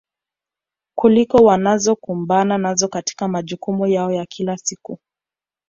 kuliko wanazokumbana nazo katika majukumu yao ya kila siku